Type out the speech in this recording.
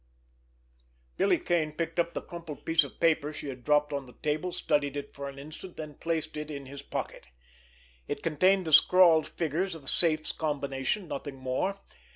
Billy Kane picked up the crumpled piece of paper she had dropped on the table, studied it for an instant, then placed it in his pocket. It contained the scrawled figures of a safe's combination, nothing more.